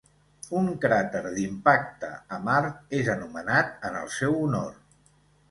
Un cràter d'impacte a Mart és anomenat en el seu honor.